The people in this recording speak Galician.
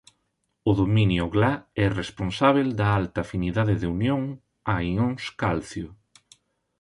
O dominio Gla é responsable da alta afinidade de unión a ións calcio.